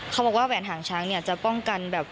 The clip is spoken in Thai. เขาบอกว่าแหวนหางช้างเนี่ยจะป้องกันแบบ